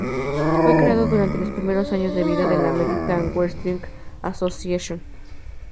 Fue creado durante los primeros años de vida de la American Wrestling Association.